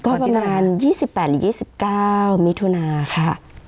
ก็ประมาณ๒๘๒๙มีทุนาค่ะ